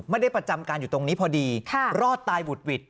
ไม่ได้ประจำการอยู่ตรงนี้พอดีรอดตายบุดหวิด